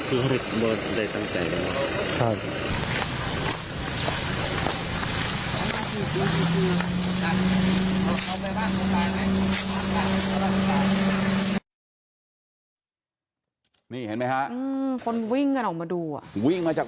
คุณฟิว์วิ่งมาจากบ้านงานศพเลยบ้านคุณตาหงษ์นั่นแหละ